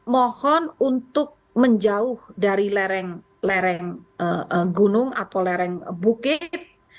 mohon untuk menjauh dari lereng gunung atau lereng bukit